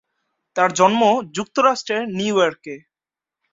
তার জন্ম যুক্তরাষ্ট্রের নিউ ইয়র্কে।